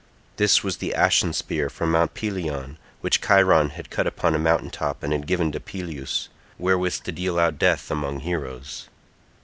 This was the ashen spear from Mount Pelion, which Chiron had cut upon a mountain top and had given to Peleus, wherewith to deal out death among heroes.